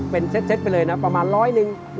เป็นเซ็ตไปเลยนะครับประมาณ๑๐๐นิง